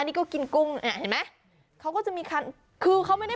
อันนี้ก็กินกุ้งแหน่งเห็นไหมเค้าก็จะมีคัน